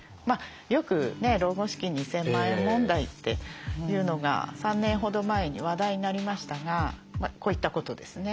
よく老後資金２，０００万円問題というのが３年ほど前に話題になりましたがこういったことですね。